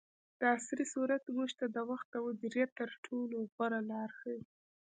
دعصري سورت موږ ته د وخت د مدیریت تر ټولو غوره لار ښیي.